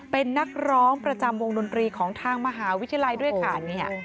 เป็นนักร้องประจำวงดนตรีของทางมหาวิทยาลัยด้วยค่ะ